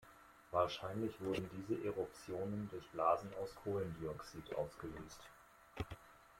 Wahrscheinlich wurden diese Eruptionen durch Blasen aus Kohlendioxid ausgelöst.